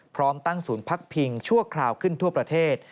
พร้อมตั้งศูนย์พักพิงชั่วคราวขึ้นทั่วประเทศ